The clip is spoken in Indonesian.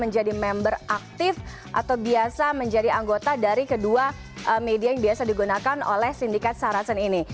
jadi member aktif atau biasa menjadi anggota dari kedua media yang biasa digunakan oleh sindikat sarasen ini